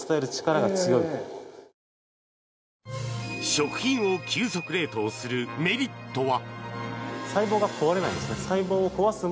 食品を急速冷凍するメリットは。